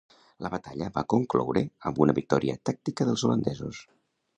La batalla va concloure amb una victòria tàctica dels holandesos.